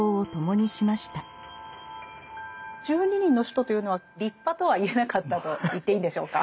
十二人の使徒というのは立派とは言えなかったと言っていいんでしょうか？